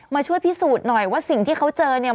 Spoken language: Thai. มาช่วยพิสูจน์หน่อยว่าสิ่งที่เขาเจอเนี่ย